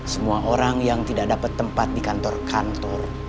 semua orang yang tidak dapat tempat di kantor kantor